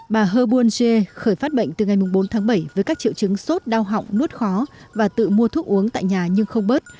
bà hơ buôn dê khởi phát bệnh từ ngày bốn tháng bảy với các triệu chứng sốt đau họng nút khó và tự mua thuốc uống tại nhà nhưng không bớt